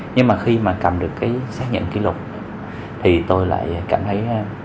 nhưng mà khi mà cầm được cái xác nhận kỷ lục thì tôi lại cảm thấy